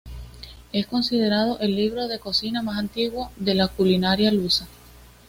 Es considerado el libro de cocina más antiguo de la culinaria lusa.